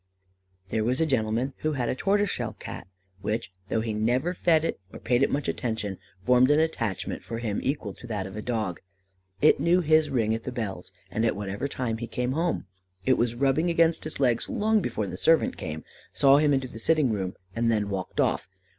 There was a gentleman who had a tortoiseshell Cat, which, though he never fed it, or paid much attention to it, formed an attachment for him equal to that of a dog. It knew his ring at the bells, and at whatever time he came home, it was rubbing against his legs long before the servant came, saw him into the sitting room, and then walked off.